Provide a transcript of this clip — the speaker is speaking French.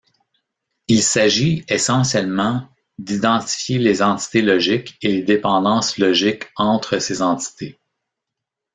Il s'agit essentiellement d'identifier les entités logiques et les dépendances logiques entre ces entités.